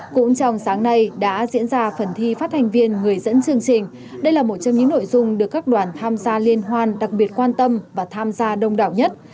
cũng trong sáng nay đã diễn ra phần thi phát thành viên người dẫn chương trình đây là một trong những nội dung được các đoàn tham gia liên hoan đặc biệt quan tâm và tham gia đông đảo nhất